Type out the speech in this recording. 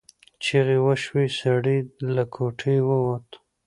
چیغې وشوې سړی له کوټې ووت.